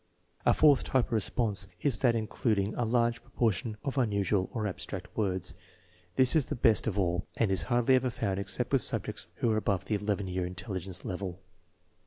A fourth type of response is that including a large pro portion of unusual or abstract words. This is the best of 274 THE MEASUBEMENT OF INTELLIGENCE all, and is hardly ever found except with subjects who are above the 11 year intelligence level.